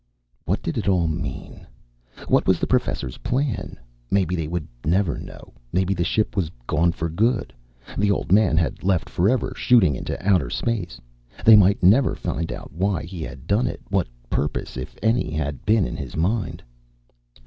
What did it all mean? What was the Professor's plan? Maybe they would never know. Maybe the ship was gone for good; the Old Man had left forever, shooting into outer space. They might never find out why he had done it, what purpose if any had been in his mind.